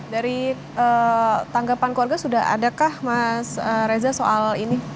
dari tanggapan keluarga sudah adakah mas reza soal ini